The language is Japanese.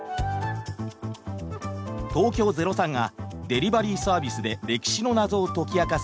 東京０３がデリバリーサービスで歴史の謎を解き明かす